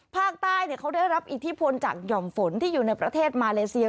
ภาคใต้เขาได้รับอิทธิพลจากห่อมฝนที่อยู่ในประเทศมาเลเซีย